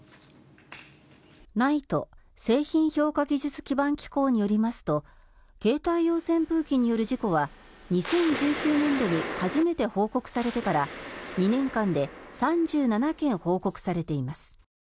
ＮＩＴＥ・製品評価技術基盤機構によりますと携帯用扇風機による事故は２０１９年度に初めて報告されてから２年間で３７件報告されています。